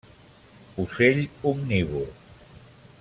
Ocell omnívor.